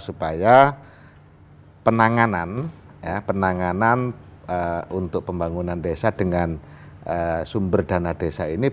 supaya penanganan untuk pembangunan desa dengan sumber dana desa ini